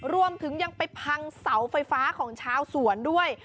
รวมถึงยังไปพังเสาไฟฟ้าของชาวสวนด้วย